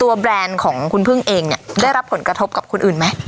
แบรนด์ของคุณพึ่งเองเนี่ยได้รับผลกระทบกับคนอื่นไหม